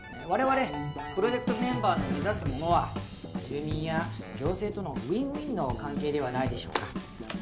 われわれプロジェクトメンバーの目指すものは住民や行政とのウィンウィンの関係ではないでしょうか。